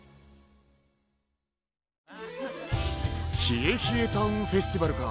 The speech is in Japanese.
ひえひえタウンフェスティバルか。